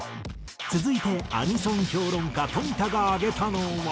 続いてアニソン評論家冨田が挙げたのは。